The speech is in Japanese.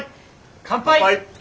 乾杯！